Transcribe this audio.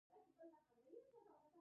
آیا هغوی افغانۍ پیژني؟